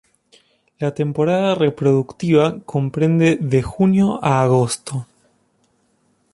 La temporada reproductiva comprende de junio a agosto.